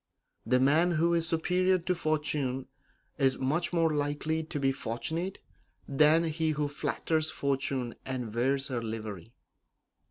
The man who is superior to fortune is much more likely to be fortunate than he who flatters fortune and wears her livery.